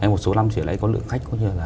một số năm trở lại có lượng khách